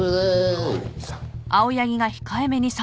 青柳さん！